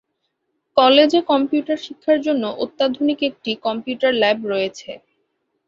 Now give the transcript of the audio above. কলেজে কম্পিউটার শিক্ষার জন্য অত্যাধুনিক একটি কম্পিউটার ল্যাব রয়েছে।